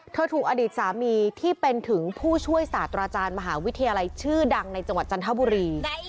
ถูกอดีตสามีที่เป็นถึงผู้ช่วยศาสตราจารย์มหาวิทยาลัยชื่อดังในจังหวัดจันทบุรี